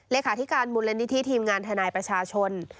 เลขาธิการมูลนิธิทีมงานทนายประชาชน